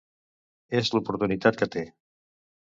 És l’oportunitat que té.